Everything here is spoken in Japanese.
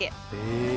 へえ。